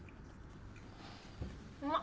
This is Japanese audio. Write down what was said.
うまっ。